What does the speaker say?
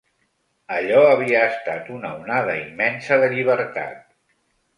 Allò havia estat una onada immensa de llibertat.